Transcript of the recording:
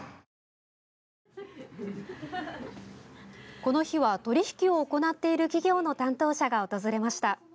この日は取引を行っている企業の担当者が訪れました。